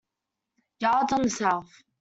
Yards on the south.